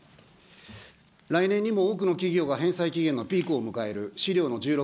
来年にも多くの企業が返済期限のピークを迎える、資料の１６。